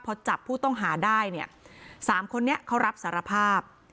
พอจับผู้ต้องหาได้เนี่ย๓คนนี้เขารับสารภาพ